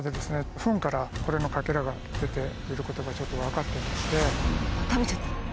フンからこれのかけらが出ていることがちょっと分かってまして。